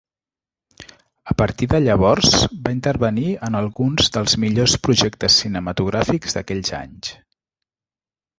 A partir de llavors, va intervenir en alguns dels millors projectes cinematogràfics d'aquells anys.